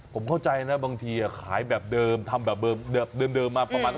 ผมเข้าใจนะบางทีขายแบบเดิมทำแบบเดิมมาประมาณ